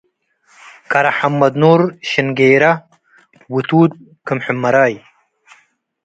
ከረ ሐመድኑር ሽንጌራ - ውቱድ ክም ሕመራይ